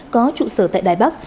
có trụ sở tại đài bắc